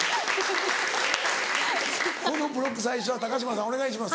このブロック最初は高嶋さんお願いします。